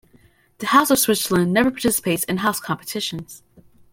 The House of Switzerland never participates in house competitions.